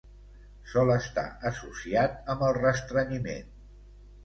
Sol estar associat amb el restrenyiment.